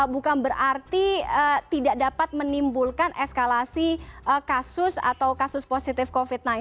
bukan berarti tidak dapat menimbulkan eskalasi kasus atau kasus positif covid sembilan belas